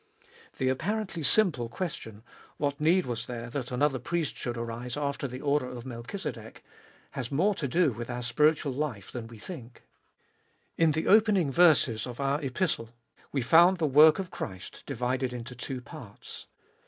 The apparently simple question, What need was there that another priest iboifest or an 237 should arise after the order of Melchizedek ? has more to do with our spiritual life than we think. In the opening verses of our Epistle we found the work of Christ divided into two parts.